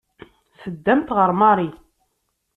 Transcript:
Teddamt ɣer Marie.